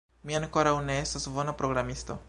Mi ankoraŭ ne estas bona programisto